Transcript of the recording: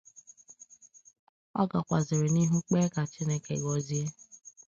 Ọ gakwazịrị n'ihu kpee ka Chineke gọzie